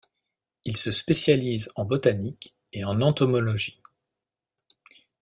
Il se spécialise en botanique et en entomologie.